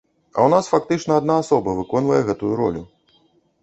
А ў нас фактычна адна асоба выконвае гэтую ролю.